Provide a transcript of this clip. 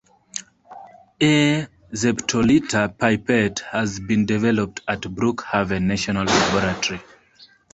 A zeptoliter pipette has been developed at Brookhaven National Laboratory.